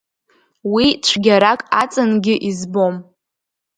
Уи цәгьарак аҵангьы избом…